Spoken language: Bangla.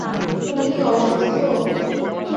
তুমি কি অসুস্থ?